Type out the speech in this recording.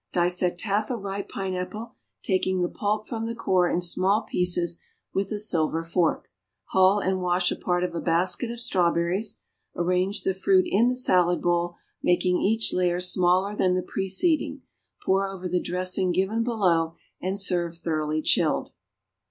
Dissect half a ripe pineapple, taking the pulp from the core in small pieces with a silver fork. Hull and wash a part of a basket of strawberries. Arrange the fruit in the salad bowl, making each layer smaller than the preceding. Pour over the dressing given below, and serve thoroughly chilled.